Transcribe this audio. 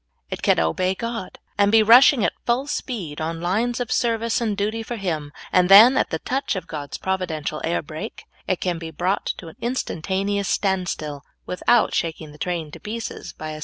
It can obey God and be rushing at full speed on lines of service and duty for Him, and then, at the touch of God's providential air brake, it can be brought to an instan taneous standstill, without shaking the train to pieces by a